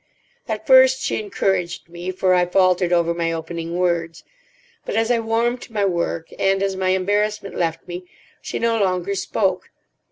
At first she encouraged me, for I faltered over my opening words. But as I warmed to my work, and as my embarrassment left me, she no longer spoke.